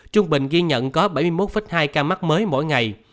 trung bình ghi nhận có bảy mươi một hai ca mắc mới mỗi ngày